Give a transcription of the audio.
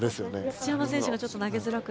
土濱選手がちょっと投げづらく。